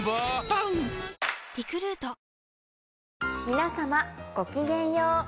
皆様ごきげんよう。